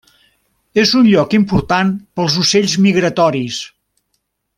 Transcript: És un lloc important pels ocells migratoris.